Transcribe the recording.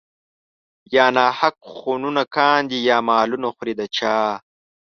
يا ناحق خونونه کاندي يا مالونه خوري د چا